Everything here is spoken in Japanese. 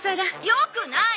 よくない！